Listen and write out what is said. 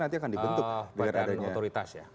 nanti akan dibentuk badan otoritas ya